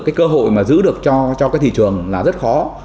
cái cơ hội mà giữ được cho cái thị trường là rất khó